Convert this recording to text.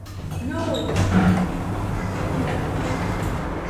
Noillɨɨ ɨraɨde